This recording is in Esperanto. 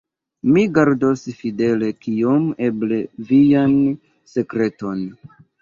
Mi gardos fidele, kiom eble, vian sekreton.